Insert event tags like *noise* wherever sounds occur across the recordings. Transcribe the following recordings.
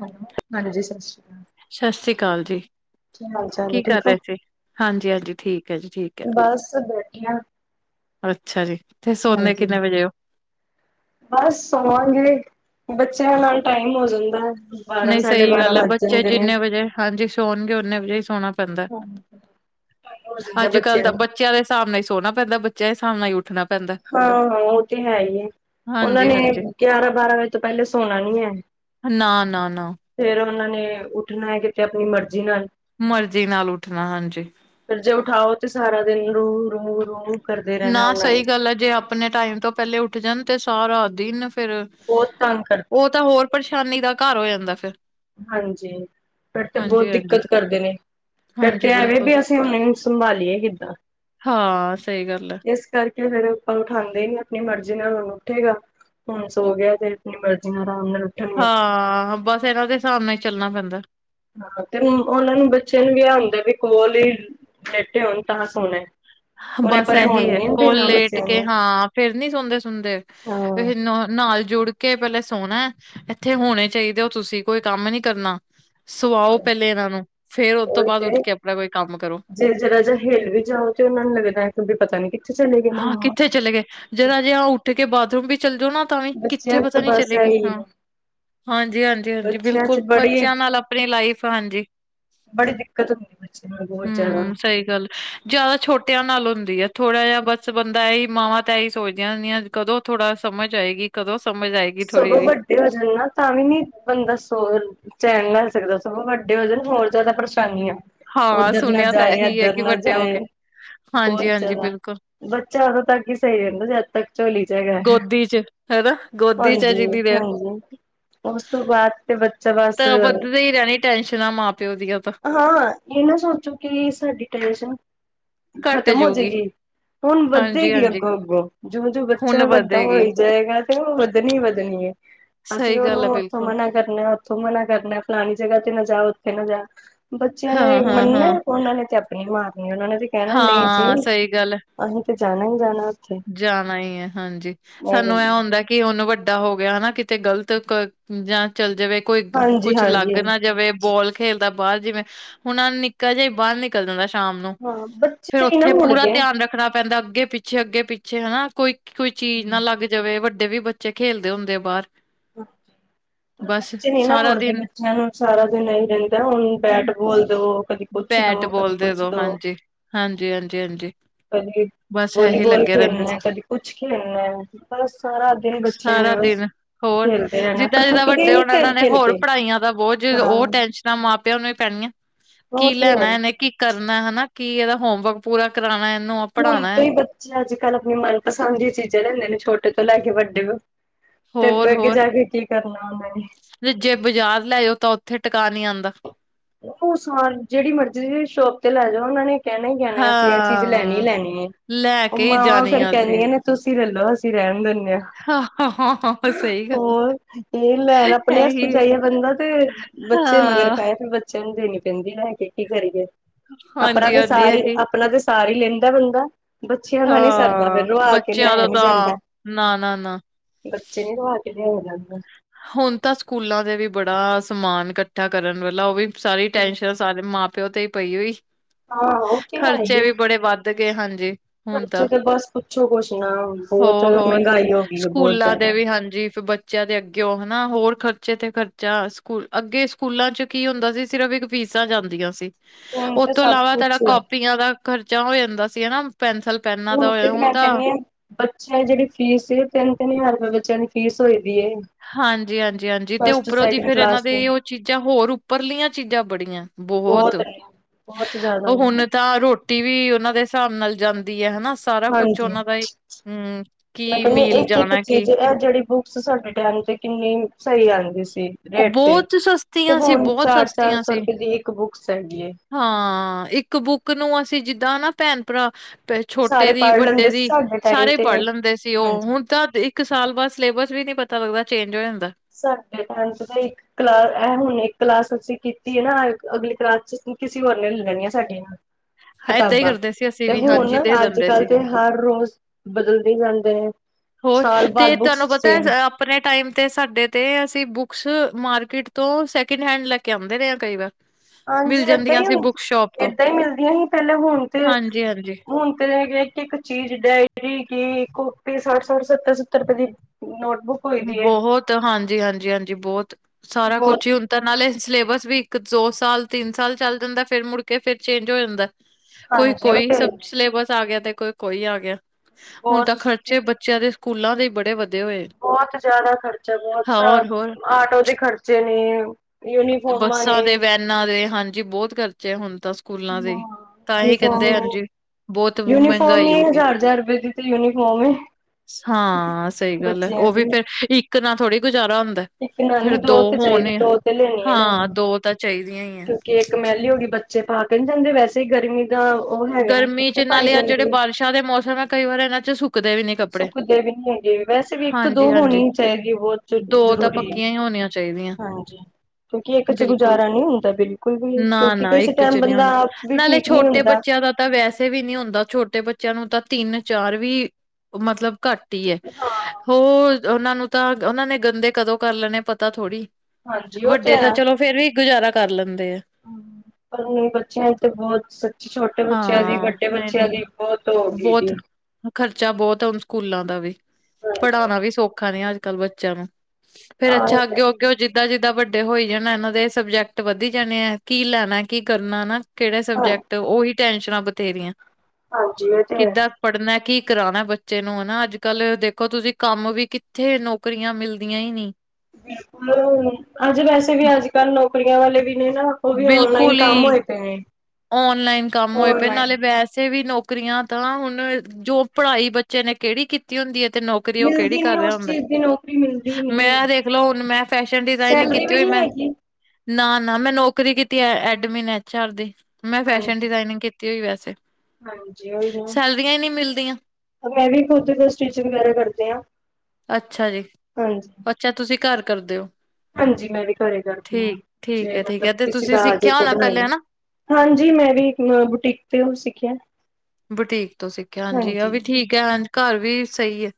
Hello madam ji ਸਤਿ ਸ਼੍ਰੀ ਅਕਾਲ। ਸਤਿ ਸ੍ਰੀ ਅਕਾਲ ਜੀ, ਚਾਲ ਹੈ ਕੀ ਕਰ ਠੀਕ ਹੋ? ਰਹੇ ਸੀ। ਹਾਂਜੀ ਹਾਂਜੀ ਠੀਕ ਐ ਜੀ ਠੀਕ ਐ। ਬੱਸ ਬੈਠੀਆਂ ਅੱਛਾ ਜੀ, ਤੇ ਸੌਣੇ ਕਿੰਨੇ ਵਜੇ ਓ? ਬਸ ਸੌਵਾਂਗੇ ਬੱਚਿਆਂ ਨਾਲ ਟਾਈਮ ਹੋ ਜਾਂਦਾ ਐ। ਨਈ ਸਹੀ ਗੱਲ ਐ, ਬੱਚੇ ਜਿੰਨੇ ਵਜੇ ਹਾਂਜੀ ਸੌਣਗੇ ਉਨੇ ਵਜੇ ਈ ਸੌਣਾ ਪੈਂਦਾ। ਹੋ ਜਾਂਦਾ ਅੱਜ ਕੱਲ੍ਹ ਤਾਂ ਨੂੰ ਬੱਚਿਆਂ ਦੇ ਸਾਬ ਨਾਲ ਈ ਸੋਹਣਾ ਪੈਂਦਾ ਬੱਚਿਆਂ ਦੇ ਸਾਬ ਨਾਲ ਈ ਉੱਠਣਾ ਪੈਦਾ। ਹਾਂ-ਹਾਂ ਉਹ ਤੇ ਹੈ ਈ ਆ ਉਹਨਾਂ ਨੇ ਹਾਂਜੀ-ਹਾਂਜੀ, ਗਿਆਰਾਂ ਬਾਰਾਂ ਵਜੇ ਤੋਂ ਪਹਿਲੇ ਸੋਣਾ ਨੀ ਐ ਨਾ, ਨਾ, ਨਾ। ਫੇਿਰ ਉਹਨਾਂ ਨੇ ਉੱਠਣਾ ਹੈ, ਕਿਤੇ ਆਪਣੀ ਮਰਜ਼ੀ ਨਾਲ ਮਰਜ਼ੀ ਨਾਲ ਉੱਠਣਾ ਹਾਂਜੀ ਫਿਰ ਜੇ ਉਠਾਓ ਤੇ ਸਾਰਾ ਦਿਨ ਰੂਹ ਰੂ ਰੂ, ਕਰਦੇ ਨਾ ਰਹਿਣਾ ਉਹਨਾਂ ਸਹੀ ਨੇ। ਗੱਲ ਆ, ਜੇ ਆਪਣੇ ਟਾਈਮ ਤੋਂ ਪਹਿਲੇ ਉੱਠ ਜਾਣ ਤੇ ਸਾਰਾ ਦਿਨ ਫਿਰ ਬਹੁਤ ਤੰਗ ਕਰਦੇ ਉਹ ਨੇ। ਤਾਂ ਹੋਰ ਪਰੇਸ਼ਾਨੀ ਦਾ ਘਰ ਹੋ ਜਾਂਦਾ ਫਿਰ, ਹਾਂਜੀ, ਫੇਰ ਤਾਂ ਬਹੁਤ ਹਾਂਜੀ-ਹਾਂਜੀ, ਦਿੱਕਤ ਕਰਦੇ ਨੇ- ਹਾਂਜੀ ਫਿਰ ਹਾਂਜੀ ਤੇ ਐਵੇਂ ਬਿਲਕੁਲ। ਵੀ ਅਸੀਂ ਹੁਣ ਸੰਭਾਲੀਏ ਕਿਦਾਂ, ਹਾਂ, ਸਹੀ ਗੱਲ ਹੈ। ਇਸ- ਕਰਕੇ ਫੇਰ ਆਪਾਂ ਉਠਾਉਂਦੇ ਹੀ ਨੀ, ਆਪਣੀ ਮਰਜ਼ੀ ਨਾਲ ਹੁੰਨ ਉੱਠੇਗਾ- ਹੁਣ ਸੋ ਗਿਆ ਤੇ, ਆਪਣੀ ਮਰਜ਼ੀ ਆਰਾਮ ਨਾਲ ਉੱਠਣਗੇ। ਹਾਂ, ਬਸ ਇਹਨਾਂ ਦੇ ਹਿਸਾਬ ਨਾਲ ਹੀ ਚੱਲਣਾ ਪੈਂਦਾ- ਹਾਂ, ਤੇ ਉਹਨਾਂ ਨੂੰ ਬੱਚੇ ਨੂੰ ਵੀ ਇਹ ਹੁੰਦਾ ਵੀ ਕੋਲ ਹੀ, ਲੇਟੇ ਹੋਣ ਤਾਂ ਸੋਣਾ ਉਰੇ ਬਸ ਪਰੇ ਹੋਣ ਇਹੀ ਹੈ, ਨੀ ਕੋਲ ਦੇਣਾ ਲੇਟ ਬੱਚਿਆਂ ਨੂੰ ਕੇ ਹਾਂ, ਫੇਿਰ ਨੀ ਸੌਦੇ ਸੁਦੇਂ- ਹਾਂ ਇਹ ਨਾਲ ਜੁੜ ਕੇ ਕੇ ਪਹਿਲਲੇ ਸੋਹਣਾ, ਇੱਥੇ ਹੋਣੇ ਚਾਹੀਦੇ ਹੋ ਤੁਸੀਂ ਕੋਈ ਕੰਮ ਨੀ ਕਰਨਾ ਸਵਾਓ ਪਹਿਲੇ ਇਹਨਾਂ ਨੂੰ, ਫੇਰ ਉਹ ਤੋਂ ਉਹੀ ਬਾਅਦ ਉੱਠ ਕੇ ਆਪਣਾ ਕੋਈ ਕੰਮ ਕਰੋ। ਤੇ ਜਰਾ ਜੇ ਹੇਲ ਵੀ ਜਾਓ ਤੇ ਉਹਨਾ ਨੂੰ ਲੱਗਦਾ, ਕੇ ਕਿੱਥੇ ਚਲੇ ਗਏ ਨੇ ਹਾਂ ਮਂਮਾ ਕਿੱਥੇ ਚਲੇ ਗਏ, ਜਦ ਅ ਜੇ ਹ ਉੱਠ ਕੇ ਬਾਥਰੂਮ ਵੀ ਚੱਲ ਜਾਓ ਨਾ ਤਾਂ ਵੀ ਕਿੱਥੇ ਬੱਚਿਆਂ ਚ ਪਤਾ ਤਾਂ ਨੀ ਬਸ ਚਲੇਗੀ, ਇਹੀ ਹਾਂ ਹੈ ਹਾਂਜੀ ਹਾਂਜੀ ਹਾਂਜੀ, ਬੱਚਿਆਂ ਚ ਬਿਲਕੁਲ ਬੜੀ ਬੱਚਿਆਂ ਨਾਲ ਆਪਣੀ ਲਾਈਫ ਹਾਂਜੀ ਬੜੀ ਦਿੱਕਤ ਹੁੰਦੀ, ਬੱਚੇ ਨਾਲ ਬਹੁਤ ਜ਼ਿਆਦਾ ਹੂੰ, ਸਹੀ ਗੱਲ ਜ਼ਿਆਦਾ ਛੋਟਿਆਂ ਨਾਲ ਹੁੰਦੀ ਹੈ, ਥੋੜ੍ਹਾ ਜਿਹਾ ਬਸ ਬੰਦਾ ਇਹੀ, ਮਾਵਾਂ ਤਾਂ ਇਹੀ ਸੋਚਦੀਆਂ ਹੁੰਦੀਆਂ ਕਦੋਂ ਥੋੜਾ ਸਮਝ ਆਏਗੀ। ਕਦੋਂ ਸਮਝ ਆਏਗੀ ਥੋੜ੍ਹੀ ਜਿਹੀ ਹੋਜ ਨਾ ਤਾਂ ਵੀ ਨੀ, ਬੰਦਾ ਸੋ ਚੈਨ ਲੇ ਨਹੀ ਸਕਦਾ, ਸਗੋਂ ਵੱਡੇ ਹੋ ਜਾਣ ਹੋਰ ਜ਼ਿਆਦਾ ਪਰੇਸ਼ਾਨੀ ਆ ਹਾਂ ਉੱਧਰ ਨਾ ਸੁਣਿਆ ਤਾਂ ਜਾਏ ਇਹੀ ਹੈ ਇੱਧਰ ਕਿ ਨਾ ਵੱਡੇ ਹੋ ਜਾਏ ਕੇ ਹਾਂਜੀ, ਬਹੁਤ ਹਾਂਜੀ ਜ਼ਿਆਦਾ ਬਿਲਕੁਲ। ਬੱਚਾ ਉਦੋਂ ਤੱਕ ਹੀ ਸਹੀ ਰਹਿੰਦਾ, ਜਦ ਤੱਕ ਝੋਲੀ ਚ ਹੈਗਾ। ਹੈਨਾ। ਹਾਂਜੀ, ਹਾਂਜੀ ਉਸ ਤੋਂ ਬਾਅਦ। ਤੇ ਬੱਚਾ ਬਸ, ਤਾਂ ਵੱਧਦੀ ਹੀ ਰਹਿਣੀ ਟੈਨਸ਼ਨਾਂ ਮਾਂ ਪਿਓ ਦੀਆਂ ਤਾਂ ਹਾਂ। ਇਹ ਨਾ ਸੋਚੋ ਕਿ ਸਾਡੀ ਟੈਸ਼ਨ, ਘੱਟ ਖਤਮ ਹੋ ਜੂਗੀ ਜਾਏਗੀ। ਹੁਣ ਵੱਧੇ ਹੀ ਹਾਂਜੀ-ਹਾਂਜੀ ਅੱਗੋਂ, ਅੱਗੋਂ ਜਿ ਜੋ ਹੁਣ ਬੱਚਾ ਵੱਡਾ ਵਧੇਗੀ ਹੋਏ। ਜਏਗਾ ਤੇ ਉਹ ਵੱਧਣੀ, ਵੱਧਣੀ ਹੈ ਸਹੀ ਅਸੀਂ ਗੱਲ ਉਹਨੂੰ ਐ ਉੱਥੋਂ ਬਿਲਕੁਲ ਮਨਾ ਕਰਨਾ ਉੱਥੋਂ ਮਨਾ ਕਰਨਾ ਫਲਾਣੀ ਜਗ੍ਹਾ ਤੇ ਨਾ ਜਾ ਉੱਥੇ ਨਾ ਜਾ। ਬੱਚਿਆਂ ਨੇ ਹਾਂ-ਹਾਂ-ਹਾਂ। ਮੰਨਣਾ ਹਾਂ, ਉਹਨਾਂ ਨੇ ਤੇ ਆਪਣੀਆਂ ਮਾਰਨੀ ਉਹਨਾਂ ਨੇ ਤੇ ਕਹਿਣਾ ਹਾਂ ਨਹੀਂ ਹਾਂ ਜੀ। ਸਹੀ ਗੱਲ ਐ ਅਸੀਂ ਤਾਂ ਜਾਣਾ ਹੀ ਜਾਣਾ। ਉੱਥੇ ਜਾਣਾ ਹੈ ਹਾਂਜੀ ਇਹ ਸਾਨੂੰ ਗੱਲ ਐ ਹੁੰਦਾ। ਕਿ ਉਹਨ ਵੱਡਾ ਹੋ ਗਿਆ ਹਨਾ, ਕਿਤੇ ਗ਼ਲਤ ਜਾਂ ਚੱਲ ਜਾਵੇ ਕੋਈ ਹਾਂਜੀ ਕੁੱਛ ਹਾਂਜੀ ਲੱਗ ਨਾ ਜਾਵੇ ਬੋਲ ਖੇਲਦਾ ਬਾਹਰ ਜਿਵੇਂ, ਹੁਣ ਨਿੱਕਾ ਜਿਹਾ ਬਾਹਰ ਨ ਨਿਕਲ ਜਾਂਦਾ ਸ਼ਾਮ ਨੂੰ, ਹਾਂ ਫੇਰ ਬੱਚੇ ਨੀ ਨਾ ਉੱਥੇ ਪੂਰਾ ਮੁੜਦੇ ਧਿਆਨ ਰੱਖ ਣਾ ਪੈਂਦਾ ਅੱਗੇ ਪਿੱਛੇ ਅੱਗੇ ਪਿੱਛੇ ਹਨਾ, ਕੋਈ ਕੋਈ ਚੀਜ਼ ਨਾ ਲੱਗ ਜਾਵੇ ਵੱਡੇ ਵੀ ਬੱਚੇ ਬੱਚੇ ਖੇਲਦੇ ਹੁੰਦੇ ਬਾਹਰ *unintelligible* ਬੱਚੇ ਨਹੀ ਨਾ ਸਾਰਾ ਮੁੜਦੇ, ਦਿਨ ਬੱਚਿਆਂ ਨੂੰ ਸਾਰਾ ਦਿਨ ਇ ਰਹਿੰਦੇ ਹੁਣ ਬੈਟ ਬਾਲ ਦੋ ਕਦੀ ਕੁਛ ਬੈਟ ਦੋ ਕਦੀ ਬੋਲ ਦੇ ਕੁਛ ਦੋ ਹਾਂਜੀ, ਹਾਂਜੀ ਹਾਂਜੀ ਹਾਂਜੀ ਹਾਂਜੀ- ਬਸ ਵੋਲੀ ਇਹੀ ਬੋਲ ਲੱਗੇ ਰਹਿੰਦੇ ਖੇਲਣਾ ਕਦੇ ਕੁਛ ਖੇਲਣਾ, ਸਾਰਾ ਦਿਨ ਬੱਚਿਆਂ ਨੇ ਸਾਰਾ ਬਸ *unintelligible* ਖੇਲਦੇ- ਰਹਿਣਾ ਪਰ ਜਿੱਦਾਂ- ਜਿੱਦਾਂ ਥੱਕਦੇ ਵੱਡੇ ਨੀ ਹੋਣਾ ਖੇਲ ਉਹਨਾਂ ਨੇ ਖੇਲ ਹੋਰ ਕੇ ਪੜ੍ਹਾਈਆਂ ਦਾ ਬੋਝ ਹਾਂ ਉਹ ਟੈਨਸ਼ਨਾਂ ਮਾਂ- ਪਿਓ ਨੂੰ ਹੀ ਪੈਣੀਆਂ ਉਹ ਕੀ ਤੇ ਹੈ ਲੈਣਾ, ਇਹਨੇ ਕੀ ਕਰਨਾ ਹਨਾ, ਕੀ ਇਹਦਾ ਹੋਮਵਰਕ ਪੂਰਾ ਕਰਾਉਣਾ ਇਹਨੂੰ ਹੁਣ ਪੜ੍ਹਾਣਾ ਹੈ ਤੋਂ ਹੀ ਬੱਚੇ ਅੱਜ ਕੱਲ੍ਹ ਆਪਣੀ ਮਨਪਸੰਦ ਦੀ ਚੀਜ਼ਾਂ ਲੈਂਦੇ ਨੇ, ਛੋਟੇ ਤੋਂ ਲੈ ਕੇ ਵੱਡੇ ਤੋਂ। ਤੇ ਹੋਰ ਅੱਗੇ- ਅੱਗੇ ਹੋਰ ਜਾ ਕੇ ਕੀ ਕਰਨਾ ਉਹਨਾਂ ਨੇ। ਜੇ ਬਾਜ਼ਾਰ ਲੈ ਜਾਓ ਤਾਂ ਉੱਥੇ ਟਿਕਕਾ ਨਹੀਂ ਆਉਂਦਾ। ਉਹ ਸਮਾਨ, ਜਿਹੜੀ ਮਰਜੀ ਸ਼ੋਪ ਤੇ ਲੈ ਜਾਓ ਉਹਨਾਂ ਨੇ ਕਹਿਣਾ ਹੀ ਕਹਿਣਾ ਅਸੀਂ ਇਹ ਚੀਜ਼ ਲੈਣੀ ਹੀ ਹਾਂ ਲੈਣੀ ਹੈ। ਲੈ ਉਹ ਕੇ ਹੀ ਮਾਵਾਂ ਜਾਣੀ ਫੇਰ ਆ ਅਸੀਂ ਕਹਿੰਦੀਆਂ ਨੇ ਤੁਸੀਂ ਲੈ ਲਓ ਅਸੀਂ ਰਹਿਣ ਦਿੰਦੇ ਹਾਂ। ਸਹੀ ਗੱਲ ਹੋਰ, ਇਹ ਲੈਣ ਆਪਣੇ ਵਾਸਤੇ ਇਹੀ ਹੈ ਜਾਈਏ ਬੰਦਾ ਤੇ ਬੱਚੇ ਮਗਰ ਹਾਂ ਪੈ, ਬੱਚਿਆਂ ਨੂੰ ਦੇਣੀ ਪੈਂਦੀ ਲੈ ਕੇ, ਕੀ ਕਰੀਏ। ਆਪਣਾ ਹਾਂਜੀ ਤੇ ਹਾਂਜੀ ਸਾਰੇ ਹੀ ਇਹੀ ਆਪਣਾ ਤੇ ਸਾਰ ਹੀ ਲੈਂਦਾ ਬੰਦਾ। ਬੱਚਿਆਂ ਦਾ ਨਹੀ ਸਰਦਾ, ਹਾਂ ਫਿਰ ਰੁਲਾ ਕੇ ਬੱਚਿਆਂ ਲਿਆਇਆ ਦਾ ਨਹੀਂ ਤਾਂ ਜਾਂਦਾ। ਨਾ ਨਾ ਨਾ ਬੱਚੇ ਨੀ ਰਵਾ ਕੇ ਲਿਆ ਜਾਂਦੇ। *unintelligible* ਹੁਣ ਤਾਂ ਸਕੂਲਾਂ ਦੇ ਵੀ ਬੜਾ ਸਮਾਨ ਇਕੱਠਾ ਕਰਨ ਵਾਲਾ ਉਹ ਵੀ ਸਾਰੀ ਟੈਸ਼ਨ ਸਾਰੇ ਮਾਂ ਪਿਓ ਤੇ ਹੀ ਪਈ ਹੋਈ, ਹਾਂ ਉਹ ਤੇ ਹੈ ਖਰਚੇ ਹੀ ਵੀ ਬੜੇ ਵੱਧ ਗਏ, ਹਾਂਜੀ। ਹੁਣ ਤਾਂ, ਖਰਚੇ ਤੇ ਬਸ ਪੁੱਛੋ ਕੁਛ ਨਾ ਬਹੁਤ ਹੋਰ, ਹੋਰ ਮਹਿੰਗਾਈ ਹੋ ਗਈ ਹੈ ਬਹੁਤ ਸਕੂਲਾਂ ਜ਼ਿਆਦਾ। ਦੇ ਵੀ ਹਾਂਜੀ ਬ ਬਚਿਆ ਅਗੇ ਕਿਉਂ, ਹਨਾ ਹੋਰ ਖਰਚੇ ਤੇ ਖਰਚਾ, ਸਕੂਲ ਅੱਗੇ ਸਕੂਲਾਂ 'ਚ ਕੀ ਹੁੰਦਾ ਸੀ ਸਿਰਫ ਇੱਕ ਫੀਸਾਂ ਜਾਂਦੀਆਂ ਸੀ। ਹੁਣ ਉਸ ਤੇ ਤੋਂ ਸਭ ਇਲਾਵਾ ਤੁਹਾਡਾ ਕੁਛ ਕਾਪੀਆਂ ਦਾ ਖਰਚਾ ਹੋ ਜਾਂਦਾ ਸੀ ਹਨਾ ਪੈਨਸਿਲ ਹੁਣ ਤੇ ਮੈਂ ਕਹਿੰਨੀ ਆ। ਬੱਚਿਆਂ ਦੀ ਜਿਹੜੀ ਫੀਸ ਏ, ਤਿੰਨ- ਤਿੰਨ ਹਜ਼ਾਰ ਰੁਪਏ ਬੱਚਿਆਂ ਦੀ ਫੀਸ ਹੋਏ ਦੀ ਹੈ। ਹਾਂਜੀ, ਹਾਂਜੀ, ਹਾਂਜੀ ਤੇ ਉੱਪਰੋਂ ਦੀ ਫੇਰ ਇਹਨਾਂ ਕਲਾਸ ਦੇ ਦੀ ਉਹ ਚੀਜ਼ਾਂ ਹੋਰ ਉੱਪਰਲੀਆਂ ਚੀਜ਼ਾਂ ਬੜੀਆਂ। ਬਹੁਤ, ਨੇ ਬਹੁਤ ਜ਼ਿਆਦਾ ਉਹ ਨੇ ਹੁਣ ਤਾਂ ਰੋਟੀ ਰੋਟੀ ਵੀ ਉਹਨਾਂ ਦੇ ਹਿਸਾਬ ਨਾਲ ਜਾਂਦੀ ਹੈ, ਹਨਾ। ਸਾਰਾ ਕੁਛ ਹਾਂਜੀ। ਉਹਨਾਂ ਦਾ ਹੀ, ਹਮ ਮੈਂ ਕੀ ਕਹਿੰਦੀ ਮੀਲ ਇੱਕ-ਇੱਕ ਜਾਣਾ ਕੀ ਚੀਜ਼ ਇਹ ਜਿਹੜੀ ਬੁੱਕ ਸਾਡੇ ਟਾਈਮ ਤੇ ਕਿੰਨੀ ਸਹੀ ਆਉਂਦੀ ਸੀ। ਕ- ਰੇਟ ਤੇ, ਬਹੁਤ ਤੇ ਸਸਤੀਆਂ ਸੀ ਹੁਣ ਬਹੁਤ ਚਾਰ -ਚਾਰ ਸਸਤੀਆਂ ਸੌ ਸੀ ਰੁਪਏ ਦੀ ਇੱਕ ਬੁੱਕਸ ਹੈਗੀ ਹੈ। ਹਾਂ ਇੱਕ ਬੁੱਕ ਨੂੰ ਅਸੀਂ ਜਿੱਦਾਂ ਨਾ ਭੈਣ- ਭਰਾ ਪ ਛੋਟੇ ਸਾਰੇ ਦੀ, ਪੜ੍ਹ ਵੱਡੇ ਲੈਂਦੇ ਸੀ ਦੀ ਸਾਡੇ ਟਾਈਮ ਸਾਰੇ ਤੇ ਪੜ੍ਹ ਲੈਂਦੇ ਸੀ ਹਾਂਜੀ। ਉਹ। ਹੁਣ ਤਾਂ ਇੱਕ ਸਾਲ ਬਾਅਦ ਸਿਲੇਬਸ ਵੀ ਨਹੀਂ ਪਤਾ ਲੱਗਦਾ, ਚੇਂਜ ਹੋ ਜਾਂਦਾ। ਸਾਡੇ ਟਾਇਮ 'ਚ ਤੇ। ਕਲਾਸ ਇਹ ਹੁਣ ਇੱਕ ਕਲਾਸ ਅਸੀਂ ਕੀਤੀ ਹੈ ਨਾ, ਅਗਲੀ ਕਲਾਸ ਚ ਕਿਸੇ ਹੋਰ ਨੇ ਲੈ ਲੈਣੀ ਆ ਸਾਡੀਆਂ। ਹ ਏਦਾਂ ਹੀ ਕਿਤਾਬਾਂ ਕਰਦੇ ਸੀ, ਅਸੀਂ ਤੇ ਵੀ ਹੁਣ ਹਾਂਜੀ ਦੇ ਅੱਜ ਦਿੰਦੇ ਕੱਲ ਸੀ। ਤੇ ਹਰ ਰੋਜ਼ ਬਦਲਦੇ ਜਾਂਦੇ ਨੇ ਹੋਰ, ਸਾਲ ਤੇ ਬਾਅਦ ਤੁਹਾਨੂੰ ਬੁੱਕਸ ਪਤਾ ਚੇਂਜ ਆਪਣੇ ਟਾਈਮ ਤੇ ਸਾਡੇ ਤੇ ਅਸੀਂ ਬੁੱਕਸ, ਮਾਰਕੀਟ ਤੋਂ ਸੈਕਿੰਡ ਹੈਂਡ ਲੈ ਕੇ ਆਉਂਦੇ ਰਹੇ ਕਈ ਵਾਰ। ਹਾਂਜੀ, ਮਿਲ ਏਦਾਂ ਜਾਂਦੀਆਂ ਹੀ, ਸੀ ਬੁੱਕ ਸ਼ੋਪ ਤੋਂ ਏਦਾਂ ਹੀ ਮਿਲਦੀਆਂ ਸੀ ਪਹਿਲੇ ਹੁਣ ਤੇ। ਹਾਂਜੀ-ਹਾਂਜੀ ਹੁਣ ਤੇ ਹੈਗੇ ਇੱਕ -ਇੱਕ। ਚੀਜ਼ ਡਾਇਰੀ ਕੀ ਕਾਪੀ ਸੱਠ -ਸੱਠ, ਸੱਤਰ- ਸੱਤਰ ਰੁਪਏ ਦੀ ਨੋਟਬੁੱਕ ਹੋਈ ਦੀ ਹੈ ਬਹੁਤ ਹਾਂਜੀ, ਹਾਂਜੀ, ਹਾਂਜੀ ਬਹੁਤ, ਸਾਰਾ ਕੁਛ ਬਹੁਤ ਹੀ ਹੁੰ ਤਾਂ ਨਾਲੇ ਸਿਲੇਬਸ ਵੀ ਇੱਕ- ਦੋ ਸਾਲ, ਤਿੰਨ ਸਾਲ ਚੱਲ ਜਾਂਦਾ ਫਿਰ ਮੁੜਕੇ ਫਿਰ ਚੇਂਜ ਹੋ ਜਾਂਦਾ। ਕੋਈ- ਹਾਂਜੀ ਉਹ ਕੋਈ ਤੇ ਸ ਸਿਲੇਬਸ ਆ ਗਿਆ, ਤੇ ਕੋਈ- ਕੋਈ ਆ ਗਿਆ ਹੁਣ ਤਾਂ ਬਹੁਤ ਸੱਚੀ ਖਰਚੇ ਬੱਚਿਆਂ ਦੇ ਸਕੂਲਾਂ ਦੇ ਹੀ ਬੜੇ ਵੱਧੇ ਹੋਏ। ਬਹੁਤ ਜਿਆਦਾ ਖਰਚ ਖਰਚੇ ਬਹੁਤ ਸਾਰੇ ਹੋਰ-ਹੋਰ ਆਟੋ ਦੇ ਖਰਚੇ ਨੇ, ਯੂਨੀਫੋਮਾਂ ਨੇ ਨਾਲੇ ਹਾਂਜੀ ਬਹੁਤ ਖਰਚੇ ਹੁਣ ਤਾਂ ਸਕੂਲਾਂ ਦੇ ਤਾਂ ਹੀ, ਇਹ ਯੂਨੀਫਾਰਮ ਕਹਿੰਦੇ ਨੇ ਹਾਂਜੀ। ਬਹੁਤ ਯੂਨੀਫਾਰਮ ਮਹਿੰਗਾਈ ਹੀ ਹੋ ਗਈ ਹਜ਼ਾਰ, ਹਜ਼ਾਰ ਰੁਪਏ ਦੀ ਤੇ ਯੂਨੀਫਾਰਮ ਏ। ਹਾਂ ਸਹੀ ਗੱਲ ਹੈ, ਬੱਚਿਆਂ ਉਹ ਦੀ ਵੀ ਫਿਰ ਇੱਕ ਨਾਲ ਥੋੜੀ ਗੁਜ਼ਾਰਾ ਹੁੰਦਾ। ਇੱਕ ਨਾਲ ਨਹੀ, ਫਿਰ ਦੋ ਤੇ ਚਾਹੀਦੀ, ਹੋਣ ਦੋ ਤੇ ਲੈਣੀ ਹਾਂ ਲੈਣੀਉ। ਦੋ ਤਾਂ ਚਾਹੀਦੀਆਂ ਹੀ ਆ। ਕੇ ਇਕ ਮੈਲੀ ਹੋ ਗਈ ਬੱਚੇ ਪਾ ਕੇ ਨਹੀ ਜਾਂਦੇ ਵੈਸੇ ਹੀ ਗਰਮੀ ਉਹ ਹੈਗਾ ਗਰਮੀ ਚ ਕਿੱਥੇ ਪਾਈ ਨਾਲੇ ਆ ਜਿਹੜੇ ਜਾਂਦੀ ਹੈ ਬਾਰਿਸ਼ਾਂ ਦੇ ਮੌਸਮ ਹੈ ਕਈ ਵਾਰ ਇਹਨਾਂ ਚ ਸੁੱਕਦੇ ਵੀ ਨ ਕੱ ਸ ਕੁਦੇ ਵੀ ਨਹੀਂ ਹੁੰਗੇ ਵੈਸੇ ਵੀ ਇੱਕ ਤਾਂ ਦੋ ਹੋਣੀ ਹਾਂਜੀ ਹੀ ਚਾਹੀਦੀ ਬਹੁਤ ਦੋ ਤਾਂ ਜ਼ਰੂਰੀ। ਪੱਕੀਆਂ ਹੀ ਹੋਣੀਆਂ ਚਾਹੀਦੀਆਂ ਹਾਂਜੀ ਕਿਉਂਕਿ ਇੱਕ ਚ ਬਿਲਕੁਲ। ਗੁਜ਼ਾਰਾ ਨਹੀਂ ਹੁੰਦਾ ਬਿਲਕੁਲ ਵੀ ਨਾ ਕਿਉਂਕਿ ਨਾ ਕਿਸੇ ਇੱਕ ਚ ਟਾਈਮ ਨਹੀਂ ਬੰਦਾ। ਹੁੰਦਾ ਆਪ ਵੀ ਨਾਲੇ ਠੀਕ ਨਹੀਂ ਛੋਟੇ ਬੱਚੇ। ਹੁੰਦਾ ਬੱਚਿਆਂ ਦਾ ਤਾਂ ਵੈਸੇ ਵੀ ਨਹੀਂ ਹੁੰਦਾ ਛੋਟੇ ਬੱਚਿਆਂ ਨੂੰ ਤਾਂ ਤਿੰਨ ਚਾਰ ਵੀ ਮਤਲਬ ਘੱਟ। ਟੀ ਹੈ ਹਾਂ। ਹੋਰ ਉਹਨਾਂ ਨੂੰ ਤਾਂ ਉਹਨਾਂ ਨੇ ਗੰਦੇ ਕਦੋਂ ਕਰ ਲੈਣੇ ਪਤਾ ਥੋੜ੍ਹੀ। ਹਾਂਜੀ ਉਹ ਤੇ ਵੱਡੇ ਤਾਂ ਚਲੋ ਫੇਰ ਵੀ ਗੁਜ਼ਾਰਾ ਕਰ ਲੈਂਦੇ ਆ। ਹ ਬੱਚਿਆਂ ਤੇ ਬਹੁਤ ਸਕ। ਛੋਟੇ ਬੱਚਿਆਂ ਹਾਂ ਦੀ'ਵੱਡੇ ਬੱਚਿਆਂ ਦੀ ਬਹੁਤ ਹੋ ਗਈ ਸੀ। ਖ਼ਰਚਾ ਬਹੁਤ ਹੁਣ ਸਕੂਲਾਂ ਦਾ ਵੀ' ਹਾਂਜੀ ਪੜ੍ਹਾਉਣਾ ਵੀ ਸੌਖਾ ਨੀ ਅੱਜ। ਕੱਲ ਬੱਚਿਆਂ ਨੂੰ ਫੇਰ ਹਾਂ ਅੱਛਾ ਤੇ ਅੱਗੇ। ਉਹ ਜਿੱਦਾਂ ਜਿੱਦਾਂ ਵੱਡੇ ਹੋਈ ਜਾਣੇ ਇਹਨਾਂ ਦੇ ਸਬਜੈਕਟ ਵੱਧੀ ਜਾਣੇ ਹੈ ਕੀ ਲੈਣਾ ਕੀ ਕਰਨਾ ਹਨਾ। ਕਿਹੜੇ ਹਾਂ ਸਬਜੈਕਟ ਉਓਹੀ ਟੈਨਸ਼ਨਾਂ ਬਥੇਰੀਆਂ। ਹਾਂਜੀ ਇਹ ਤੇ ਹੈ। ਕਿੱਦਾਂ ਪੜ੍ਹਨਾ ਕੀ ਕਰਾਉਣਾ ਬੱਚੇ ਨੂੰ ਹਨਾ ਅੱਜ ਕੱਲ ਦੇਖੋ ਤੁਸੀਂ ਕੰਮ ਵੀ ਕਿੱਥੇ ਨੌਕਰੀਆਂ ਮਿਲਦੀਆਂ ਹੀ ਨੀ। ਬਕੁ ਅੱਜ ਵੈਸੇ ਵੀ ਅੱਜ ਕੱਲ ਨੌਕਰੀਆਂ ਵਾਲੇ ਵੀ ਨੇ ਨਾ। ਉਹ ਵੀ ਔਨਲਾਈਨ ਬਿਲਕੁਲ ਕੰਮ ਹੀ' ਹੋਏ ਪਏ ਨੇ। ਔਨਲਾਈਨ ਕੰਮ ਹੋਏ ਪਏ ਨਾਲੇ ਔਨਲਾਈਨ ਵੈਸੇ ਵੀ ਨੌਕਰੀ। ਨੌਕਰੀਆਂ ਤਾਂ ਹੁਣ ਜੋ ਪੜ੍ਹਾਈ ਬੱਚੇ ਨੇ ਕਿਹੜੀ ਕੀਤੀ ਹੁੰਦੀ ਹੈ ਅਤੇ ਨੌਕਰੀ। ਨਰੀ ਉਹ ਕਿਹੜੀ ਮਿਲਦੀ ਨੀ ਕਰ ਰਿਹਾ ਉਸ ਹੁੰਦਾ ਚੀਜ਼ ਦੀ ਨੌਕਰੀ ਮਿਲਦੀ ਨੀ। ਮੈਂ ਦੇਖਲ ਹੁਣ ਮੈਂ ਫੈਸ਼ਨ ਡਿਜ਼ਾਇਨਿੰਗ ਸੈਲਰੀ ਕੀਤੀ ਵੀ ਹੋਈ ਨੀ ਮੈਂ। ਹੈਗੀ ਨਾ ਨਾ ਮੈਂ ਨੌਕਰੀ ਕੀਤੀ ਐ ਐਡਮੀਨ ਐਚ ਆਰ ਦੀ। ਮੈਂ ਫੈਸ਼ਨ ਹਾਂਜੀ। ਡਿਜ਼ਾਇਨਿੰਗ ਕੀਤੀ ਹੋਈ ਵੈਸੇ ਹਾਂਜੀ ਉਹੀ ਨਾ ਸੈਲਰੀਆਂ ਹੀ ਨਹੀਂ ਮਿਲਦੀਆਂ। ਮੈਂ ਵੀ ਖੁਦ ਦਾ ਸਟੀਚਿੰਗ ਵਗੈਰਾ ਕਰਦੀ ਹਾਂ। ਅੱਛਾ ਜੀ' ਅੱਛਾ ਤੁਸੀਂ ਘਰ ਕਰਦੇ ਹੋ। ਹਾਂਜੀ ਮੈਂ ਵੀ ਘਰੇ ਕਰਦੀ ਹਾਂ। ਠੀਕ ਜੇ ਐ ਠੀਕ ਐ ਤੇ ਮਤਲਬੇ ਤੁਸੀਂ ਦਾ ਆਜ ਸਿੱਖਿਆ ਹੋਣਾ ਪਹਿਲੇ ਹਨਾ, ਹਾਂਜੀ ਮੈਂ ਵੀ ਬੁਟੀਕ ਤੇ ਉਹ ਸਿੱਖਿਆ। ਬੁਟੀਕ ਤੋਂ ਸਿੱਖਿਆ ਹਾਂਜੀ ਆ ਵੀ ਠੀਕ ਹੈ ਹਾਂ ਘਰ ਵੀ ਸਹੀ ਹੈ।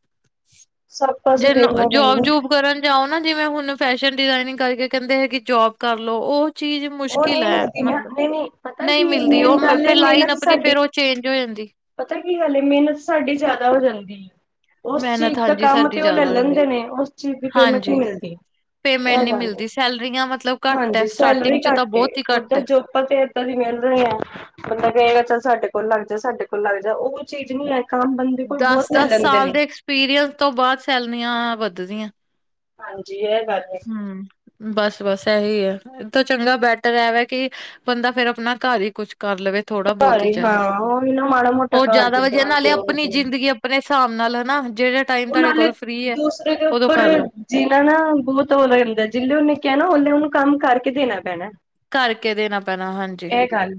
ਸਭ ਪਾਸੇ ਜੇ ਦੇਖਣਾ ਜੋਬ ਪੈਂਦਾ। ਜੋੂਬ। ਕਰਨ ਜਾਓ ਨਾ ਜਿਵੇਂ ਹੁਣ ਫੈਸ਼ਨ ਡਿਜ਼ਾਇਨਿੰਗ ਕਰਕੇ ਕਹਿੰਦੇ ਹੈਗੀ ਜੋਬ ਕਰ ਲਓ ਉਹ। ਚੀਜ਼ ਉਹ ਮੁਸ਼ਕਿਲ ਨਹੀਂ ਹੈ' ਮਿਲਦੀ ਨਾ ਮਤਲਬ ਨਹੀਂ ਨਹੀਂ ਪਤਾ ਨਹੀਂ ਕੀ ਮਿਲਦੀ ਉਹ ਮੇਨ ਗੱਲ ਹੈ ਫੇਿਰ ਲਾਈਨ ਮਿਹਨਤ ਆਪਣੀ ਸਾਡੀ ਫੇਿਰ ਉਹ। ਚੇਂਜ ਹੋ ਜਾਂਦੀ। ਪਤਾ ਕੀ ਗੱਲ ਏ ਮਿਹਨਤ ਸਾਡੀ ਜ਼ਿਆਦਾ ਹੋ ਜਾਂਦੀ ਹੈ। ਉਸ ਮਿਹਨਤ ਚੀਜ਼ ਦਾ ਹਾਂਜੀ ਕੰਮ ਸਾਡੀ ਤੇ ਉਹ ਲੈ ਜ਼ਿਆਦਾ ਹੋ ਜਾਂਦੀ, ਲੈਂਦੇ ਨੇ ਉਸ ਚੀਜ਼ ਦੀ ਪੇਮਤ ਨ ਹਾਂਜੀ। ਮਿਲਦੀ। ਪੇਮੈਂਟ ਇਹ ਨੀ ਗੱਲੇ ਮਿਲਦੀ ਸੈਲਰੀਆਂ ਮਤਲਬ ਘੱਟ ਹੈ ਹਾਂਜੀ ਸਟਾਰਟਿੰਗ ਸੈਲਰੀ ਚ ਤਾਂ ਘੱਟ ਬਹੁਤ ਹੀ ਘੱਟ ਓਦਾਂ ਹੈ। ਜੋ। ਆਪਾਂ ਤੇ ਇਏਦਾਂ ਦੀ ਮਿਲਿੰਦੇ ਆ ਮ ਬੰਦਾ ਕਹੇਗਾ ਚੱਲ ਸਾਡੇ ਕੋਲ ਲੱਗ ਜਾਏ ਸਾਡੇ ਕੋਲ ਲੱਗ ਜਾ ਉਹ ਚੀਜ਼ ਨੀ ਹੈ। ਕੰਮ ਬੰਦੇ ਕੋਲ ਬਹੁਤ ਲੈ ਦਸ-ਦਸ ਲੈਂਦੇ ਸਾਲ ਨੇ। ਦੇ ਐਕਸਪੀਰੀਅੰਸ ਤੋਂ ਬਾਅਦ ਸੈਲਰੀੀਆਂ ਵੱਧਦੀਆਂ। ਹਾਂਜੀ ਇਹ ਗੱਲ ਹੈ। ਹਮ ਬਸ-ਬਸ ਇਹੀ ਹੈ ਇਹਏ ਤਾਂ ਚੰਗਾ ਬੈਟਰ ਹੈ। ਵ ਕਿ ਬੰਦਾ ਫੇਿਰ ਆਪਣਾ ਘਰ ਹੀ ਕੁਛ। ਕਰ ਲਵੇ ਥੋੜਾ ਘਰ ਬਹੁਤ ਹੀ ਹਾਂ ਉਹੀ ਨਾ ਮਾੜਾ ਮੋਟਾ ਚਾਹੇ'ਹੋਰ ਘਰ ਜ਼ਿਆਦਾ ਵਜਾ ਜਿੱਦਾਂ ਨਾਲੇ ਜੇ ਉਹ ਆਪਣੀ ਵਧੀਆ ਜ਼ਿੰਦਗੀ। ਆਪਣੇ ਹਿਸਾਬ ਨਾਲ ਹਨਾ ਜਿਹੜੇ। ਟਾਈਮ ਉਹ ਤੁਹਾਡੇ ਨਾਲੇ ਕੋਲ ਫ੍ਰਰੀ ਹੈ। ਦੂਸਰੇ ਦੇ ਉਦੋਂ ਉੱਪਰ। ਕਰਲੋ ਜਿਹਨਾ ਨਾ ਬਹੁਤ ਔਦਾ ਹੁੰਦਾ ਜਿੇ ਉਹਨੇ ਕਿਹਾ ਨਾ ਉਸਨੇ ਉਹਨੂੰ ਕੰਮ ਕਰਕੇ ਦੇਣਾ ਪੈਣਾ। ਕਰਕੇ ਦੇਣਾ ਪੈਣਾ ਹਾਂਜੀ। ਇਹ ਗੱਲ।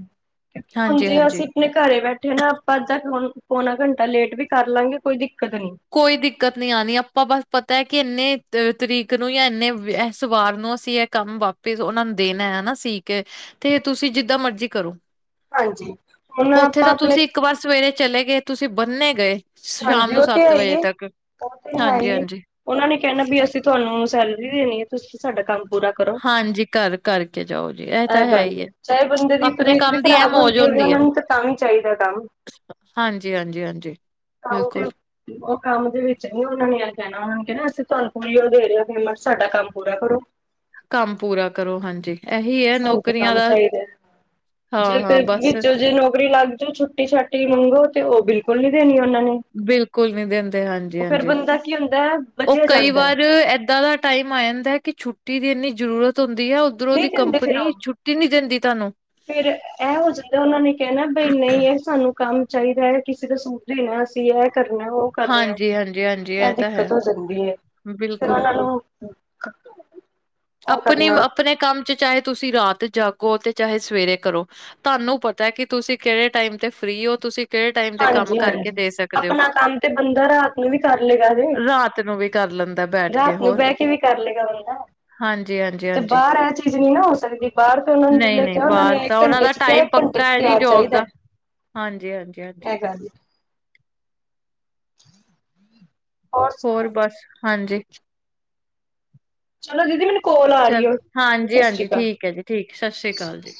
ਕਿਉਂਕਿ ਹੁਣ ਜੇ ਅਸੀਂ ਆਪਣੇ ਘਰੇ ਬੈਠੇ ਨਾ ਆਪਾਂ ਪੌਣਾ ਘੰਟਾ ਲੇਟ ਵੀ ਕਰ ਲਾਂਗੇ ਕੋਈ ਦਿੱਕਤ ਨੀ। ਕੋਈ ਦਿੱਕਤ ਨਹੀਂੀ ਆਉਣੀ ਆਪਾਂ ਬਸ ਪਤਾ ਹੈ ਕਿ ਇੰਨੇ ਤਰੀਕ ਨੂੰ ਜਾਂ ਇੰਨੇ ਇਸ ਵਾਰ ਨੂੰ ਅਸੀਂ। ਕੰਮ ਵਾਪਿਸ ਉਹਨਾ ਨੂੰ ਦੇਣਾ ਹਨਾ ਸੀ ਕੇ ਤੇ ਤੁਸੀਂ ਜਿੱਦਾਂ ਮਰਜ਼ੀ ਕਰੋ। ਹਾਂਜੀ ਹੁਣ ਉੱਥੇ ਆਪਾਂ ਤਾਂ ਆਪਣੇ। ਤੁਸੀਂ ਇੱਕ ਵਾਰ ਸਵੇਰੇ ਚਲੇ ਗਏ ਤੁਸੀਂ ਬੰਨੇ ਗਏ ਸ਼ਾਮ ਨੂੰ ਸੱਤ। ਇਹੀ ਵਜੇ ਹੈ ਤੱਕ ਉਹ ਤੇ ਹੈ ਹਾਂਜੀ ਈ ਹਾਂਜੀ ਉਹਨਾਂ ਨੇ ਕਹਿਣਾ ਵੀ ਅਸੀਂ ਤੁਹਾਨੂੰ ਸੈਲਰੀ ਦੇਣੀ ਹੈ। ਤੁਸੀਂ ਸਾਡਾ ਕੰਮ ਪੂਰਾ ਕਰੋ ਹਾਂਜੀ ਘਰ ਕਰਕੇ ਜਾਓ ਜੀ ਇਹ ਤਾਂ ਗੱਲ ਹੀ ਹੈ' ਚਾਹੇ ਬੰਦੇ ਦੀ। ਆਪਣੇ ਤਬੀਅਤ ਵੀ ਕੰਮ ਦੀ ਇਹ ਖ਼ਰਾਬ ਹੋਏਗੀ ਉਹਨਾਂ ਨੂੰ ਤੇ ਤਾ ਵੀ ਹੀ ਚਾਹੀਦਾ ਕੰਮ। ਹਾਂਜੀ-ਹਾਂਜੀ-ਹਾਂਜੀ। ਕੰਮ ਚ। ਉਹ ਕੰਮ ਦੇ ਵਿੱਚ ਨਹੀ ਉਹਨਾਂ ਨੇ ਆ ਕਹਿਣਾ ਉਹਨਾਂ ਨੂੰ ਕਹਿਣਾ ਅਸੀਂ ਤੁਹਾਨੂੰ ਪੂਰੀ ਉਹ ਦੇ ਹੈ ਪੇਮੈਂਟ ਸਾਡਾ ਕੰਮ ਪੂਰਾ ਕਰੋ। ਕੰਮ ਪੂਰਾ ਕਰੋ ਹਾਂਜੀ। ਇਹੀ ਹੈ ਸਾਨੂੰ ਤੇ ਨੌਕਰੀਆਂ ਕੰਮ ਦਾ ਚਾਹੀਦਾ ਹਾਂ ਜੇ ਹਾਂ ਫਿਰ ਬਸ ਵਿੱਚੋਂ ਜੇ ਨੌਕਰੀ ਲੱਗ ਜਾਓ ਛੁ। ਛੁੱਟੀ ਛਾਟੀ ਮੰਗੋ ਤੇ ਉਹ ਬਿਲਕੁਲ ਨੀ ਦੇਣੀ ਉਹਨਾਂ ਨੇ। ਬਿਲਕੁਲ ਨਹੀਂ ਦਿੰਦੇ 'ਹਾਂਜੀ ਉਹ ਫੇਰ ਹਾਂਜੀ ਬੰਦਾ ਕੀ ਹੁੰਦਾ ਹੈ ਉਹ ਬਚਿਆ ਕਈ ਜਾਂਦਾ ਹੈ ਵਾਰ ਏਦਾਂ ਦਾ। ਟਾਈਮ ਆ ਜਾਂਦਾ ਕਿ ਛੁੱਟੀ ਦੀ ਇੰਨੀ ਜ਼ਰੂਰਤ ਹੁੰਦੀ ਹੈ'ਉੱਧਰੋਂ ਨਹੀਂ ਦੀ ਦਿੰਦੇ ਕੰਪਨੀ ਉਹ ਛੁੱਟੀ ਨਹੀਂ ਦਿੰਦੀ। ਦੀ ਤੁਹਾਨੂੰ। ਫਿਰ ਇਹ ਹੋ ਜਾਂਦਾ ਉਹਨਾਂ ਨੇ ਕਹਿਣਾ ਬਈ ਨਹੀਂ ਇਹ ਸਾਨੂੰ ਕੰਮ। ਚਾਹੀਦਾ ਹੈ ਕਿਸੇ ਦਾ। ਬਈ ਅਸੀਂ ਇਹ ਕਰਨਾ ਉਹ ਕਰਨਾ ਹਾਂਜੀ ਹਾਂਜੀ ਹਾਂਜੀ ਇਹ ਤਾਂ ਹੈ ਦਿੱਕਤ ਹੋ ਜਾਂਦੀ ਹੈ। ਫਿਰ ਬਿਲਕੁਲ' ਉਹਨਾਂ ਨੂੰ ਉਹ ਆਪਣੀ ਕਰਨਾ ਆਪਣੇ ਕੰਮ ਚ ਚਾਹੇ। ਤੁਸੀਂ ਰਾਤ ਜਾਗੋ ਤੇ ਚਾਹੇ ਸਵੇਰੇ ਕਰੋ। ਤੁਹਾਨੂੰ ਪਤਾ ਕਿ ਤੁਸੀਂ ਕਿਹੜੇ ਟਾਈਮ ਤੇ ਫ੍ਰੀ ਹੋ ਤੁਸੀਂ। ਕਿਹੜੇ ਟਾਈਮ ਦੇ ਕੰਮ ਹਾਂਜੀ ਕਰਕੇ ਹਾਂਜੀ ਦੇ ਸਕਦੇ ਹੋ' ਆਪਣਾ ਕੰਮ ਤੇ ਬੰਦਾ ਰਾਤ ਨੂੰ ਵੀ ਕਰ ਲਏਗਾ ਜੇ ਰਾਤ ਨੂੰ ਵੀ। ਕਰ ਲੈਂਦਾ ਬੈਠ ਕੇ ਰਾਤ ਨੂੰ ਹੋਰ। ਬਹਿ ਕੇ ਵੀ ਕਰ ਲਏਗਾ ਬੰਦਾ ਤੇ ਹਾਂਜੀ-ਹਾਂਜੀ-ਹਾਂਜੀ' ਬਾਹਰ ਇਹ ਚੀਜ਼ ਨਹੀਂ ਨਾ ਹੋ ਸਕਦੀ ਬਾਹਰ ਤੇ ਉਹਨਾਂ ਨੂੰ ਜਿਲੇ ਨਹੀਂ-ਨਹੀਂ ਕਿਹਾ ਉਹਨਾਂ ਬਾਹਰ ਨੇ ਇੱਕ ਤਾਂ ਉਹਨਾ ਘੰਟੇ ਦਾ ਚ ਕਿਹਾ ਟਾਈਮ। ਇੱਕ ਘੰਟੇ ਪੱਕਾ ਚ ਹੈ ਜੀ ਤਿਆਰ ਜੋਬ ਦਾ ਚਾਹੀਦਾ ਹਾਂਜੀ-ਹਾਂਜੀ। ਇਹ ਗੱਲ। ਹੋਰ ਬਸ ਹਾਂਜੀ। ਚਲੋ ਦੀਦੀ ਮੈਨੂੰ। ਕੋਲ ਆ ਚਲ, ਰਹੀ ਹੈ ਹਾਂਜੀ ਸਤਿ ਸ੍ਰੀ ਹਾਂਜੀ, ਅਕਾਲ ਠੀਕ ਹੈ ਜੀ, ਠੀਕ, ਸਤਿ ਸ਼੍ਰੀ ਅਕਾਲ ਜੀ।